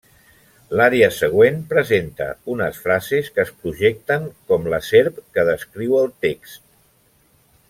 L'ària següent presenta unes frases que es projecten com la serp que descriu el text.